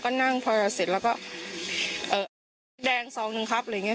ก็นั่งพอเสร็จแล้วก็แดงซองหนึ่งครับอะไรอย่างเง